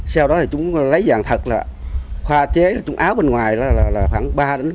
sau đó chúng lấy vàng thật khoa chế áo bên ngoài khoảng ba năm